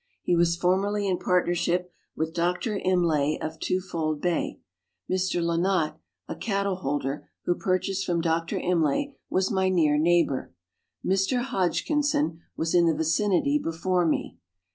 He was formerly in partnership with Dr. Imlay of Twofold Bay. Mr. Lynott, a cattle holder, who purchased from Dr. Imlay, was my near neighbour. Mr. Hodgkinson was in the vicinity before me.